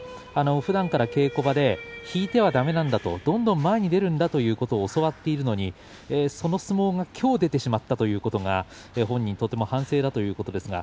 ふだんから稽古場で引いてはだめなんだと、どんどん前に出るんだということを教わっているのにその相撲がきょう出てしまったということが本人、反省だということです。